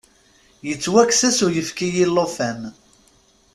Yettwakkes-as uyefki i llufan.